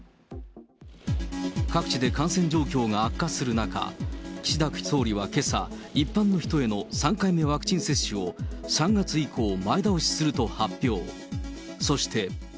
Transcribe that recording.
各地で感染状況が悪化する中、岸田総理はけさ、一般の人への３回目ワクチン接種を、３月以降、前倒しすると発表。